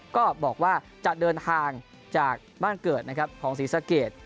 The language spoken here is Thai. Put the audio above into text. ก็บอกว่าจะเดินทางจากบ้านเกิดนะครับของศรีสะเกด